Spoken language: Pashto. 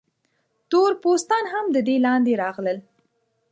تور پوستان هم د دې لاندې راغلل.